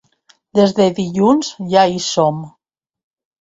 Des de dilluns ja hi som.